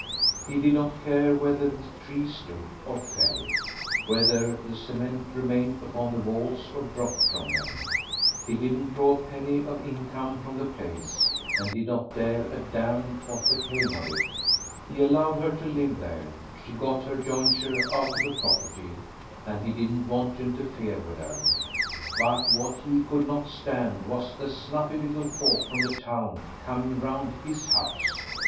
He did not care whether the trees stood or fell, whether the cement remained upon the walls or dropped from them; he didn't draw a penny of income from the place, and did not care a damn what became of it. He allowed her to live there, she got her jointure out of the property, and he didn't want to interfere with her, but what he could not stand was the snuffy little folk from the town coming round his house.